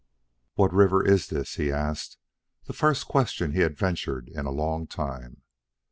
"What river is this!" he asked, the first question he had ventured in a long time.